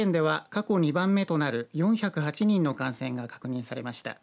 過去２番目となる４０８人の感染が確認されました。